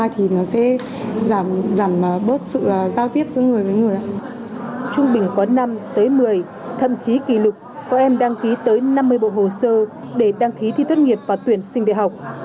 trung bình có năm tới một mươi thậm chí kỷ lục có em đăng ký tới năm mươi bộ hồ sơ để đăng ký thi tốt nghiệp và tuyển sinh đại học